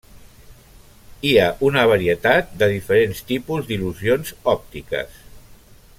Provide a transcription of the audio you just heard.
Hi ha una varietat de diferents tipus d'il·lusions òptiques.